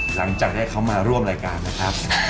หลังจากให้เขามาร่วมรายการนะครับ